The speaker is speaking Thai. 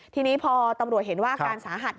ทีนี้พอตำรวจเห็นว่าอาการสาหัส